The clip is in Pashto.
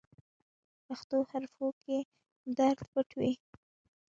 پخو حرفو کې درد پټ وي